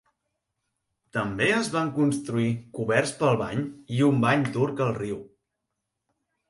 També es van construir coberts pel bany i un bany turc al riu.